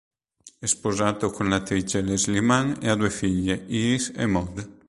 È sposato con l'attrice Leslie Mann e ha due figlie, Iris e Maude.